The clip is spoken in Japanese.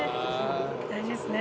大事っすね。